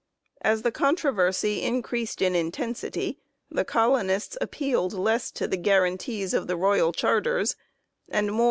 As the controversy increased in inten sity the colonists appealed less to the guaranties of the royal charters and more